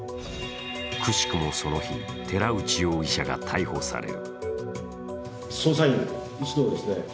くしくもその日寺内容疑者が逮捕される。